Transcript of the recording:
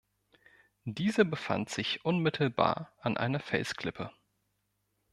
Dieser befand sich unmittelbar an einer Felsklippe.